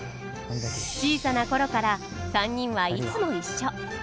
小さな頃から３人はいつも一緒。